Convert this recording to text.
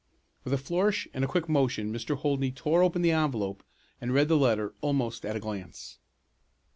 With a flourish and a quick motion Mr. Holdney tore open the envelope and read the letter almost at a glance.